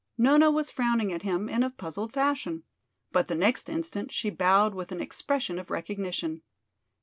Nona was frowning at him in a puzzled fashion. But the next instant she bowed with an expression of recognition.